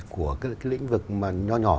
của lĩnh vực nhỏ nhỏ